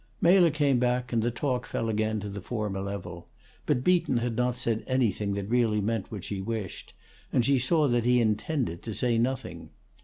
Mela came back, and the talk fell again to the former level; but Beaton had not said anything that really meant what she wished, and she saw that he intended to say nothing.